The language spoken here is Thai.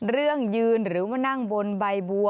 เรื่องยืนหรือมานั่งบนใบบัว